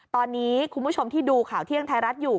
ตอนนี้คุณผู้ชมที่ดูข่าวเที่ยงไทยรัฐอยู่